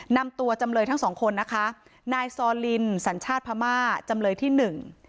นำตัวจำเลยทั้งสองคนนะคะนายซอลินสัญชาติพม่าจำเลยที่หนึ่ง